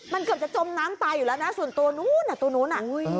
มันเกือบจะจมน้ำตายอยู่แล้วนะส่วนตัวนู้นตัวนู้น